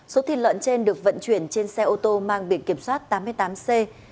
số thịt lợn trên được vận chuyển trên xe ô tô mang biển kiểm soát tám mươi tám c